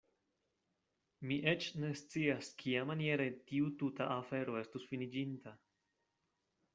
Mi eĉ ne scias kiamaniere tiu tuta afero estus finiĝinta.